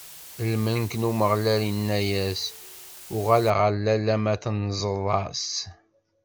Lmelk n Umeɣlal inna-as: Uɣal ɣer lalla-m tanzeḍ-as.